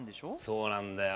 そうなんだよ。